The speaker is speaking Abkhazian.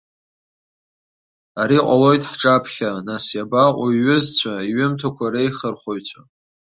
Ари ҟалоит ҳҿаԥхьа, нас, иабаҟоу иҩызцәа, иҩымҭақәа реихырхәаҩцәа?